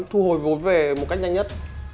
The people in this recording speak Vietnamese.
thu hồi vốn về một cách nhanh nhất